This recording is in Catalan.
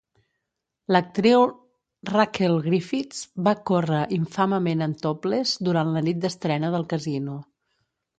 L'actriu Rachel Griffiths va córrer infamement, en topless, durant la nit d'estrena del casino.